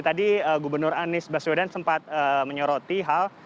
tadi gubernur anies baswedan sempat menyoroti hal